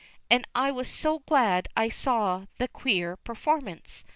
And I was so glad I saw the queer performance!